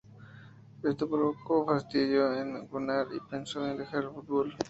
Esto provocó fastidio en Gunnar y pensó en dejar el fútbol.